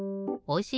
お！